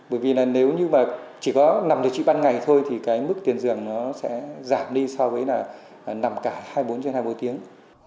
bởi vì là nếu như mà chỉ có nằm được chị ban ngày thôi thì cái mức tiền dường nó sẽ giảm đi so với là nằm cả hai mươi bốn trên hai mươi bốn tiếng